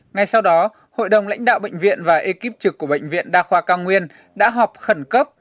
ngay sau đó hội đồng lãnh đạo bệnh viện và ekip trực của bệnh viện đa khoa cao nguyên đã họp khẩn cấp